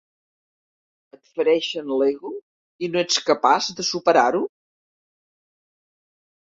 Et fereixen l'ego i no ets capaç de superar-ho?